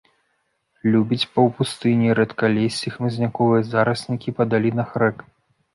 Любіць паўпустыні, рэдкалессі, хмызняковыя зараснікі па далінах рэк.